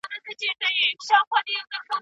ولي زده کوونکي باید تمرین ته وخت ورکړي؟